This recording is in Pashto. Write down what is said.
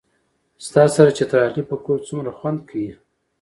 ستا سره چترالي پکول څومره خوند کئ